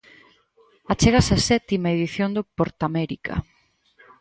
Achégase a sétima edición do PortAmérica.